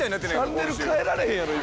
チャンネル変えられへんやろ今。